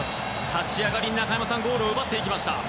立ち上がりで中山さんゴールを奪っていきました。